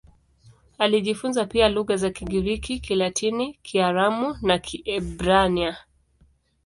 Alijifunza pia lugha za Kigiriki, Kilatini, Kiaramu na Kiebrania.